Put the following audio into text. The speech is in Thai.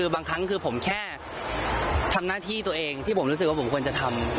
บางครั้งคือผมแค่ทำหน้าที่ตัวเองที่ผมรู้สึกว่าผมควรจะทำ